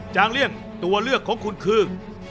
จางเลี่ยงตัวเลือกของคุณคือ